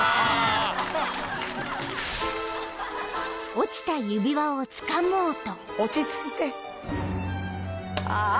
［落ちた指輪をつかもうと］